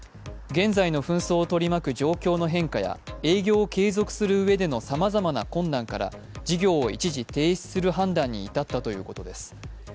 現在の紛争を取り巻く状況の変化や営業を継続するうえでのさまざまな困難から事業を一時停止する判断に至ったということです。